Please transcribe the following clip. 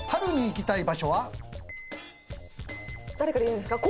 誰から言うんですか？